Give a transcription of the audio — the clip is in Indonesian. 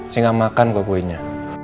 saya gak makan kok kuenya